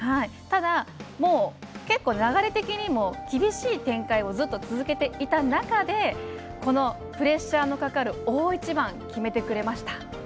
ただ、もう結構流れ的にも厳しい展開をずっと続けていた中でこのプレッシャーのかかる大一番決めてくれました。